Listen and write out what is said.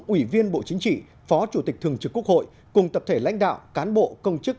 ủy viên bộ chính trị phó chủ tịch thường trực quốc hội cùng tập thể lãnh đạo cán bộ công chức